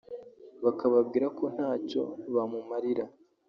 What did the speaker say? bakababwira ko ntacyo bamumarira